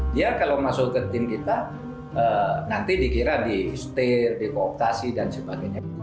dia kalau masuk ke tim kita nanti dikira di setir dikooptasi dan sebagainya